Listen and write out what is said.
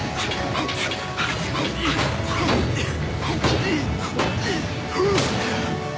あっ！